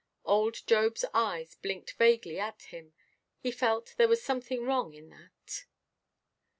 Old Jobʼs eyes blinked vaguely at him: he felt there was something wrong in that.